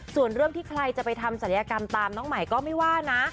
ส่วนเรื่องที่ใครจะไปทำศัลยกรรมตามน้องใหม่ก็ไม่ว่านะ